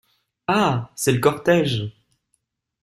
Ah ! c’est le cortège !…